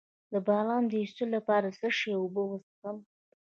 د بلغم د ایستلو لپاره د څه شي اوبه وڅښم؟